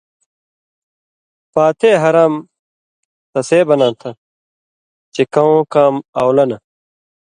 پاتے حرام تسے بَناں تھہ چے کؤں کام اؤلہ نہ